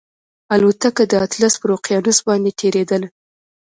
الوتکه د اطلس پر اقیانوس باندې تېرېدله